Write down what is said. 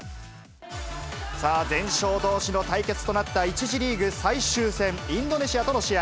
さあ、全勝どうしの対決となった１次リーグ最終戦、インドネシアとの試合。